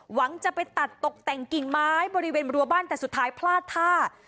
หวังจะไปตัดตกแต่งกิ่งไม้บริเวณรัวบ้านแต่สุดท้ายพลาดท่า